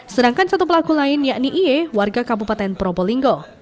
sedangkan satu pelaku lain yakni ie warga kabupaten probolinggo